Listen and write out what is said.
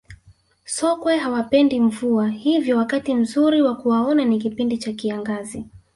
sokwe hawapendi mvua hivyo wakati mzuri wa kuwaona ni kipindi cha kiangazi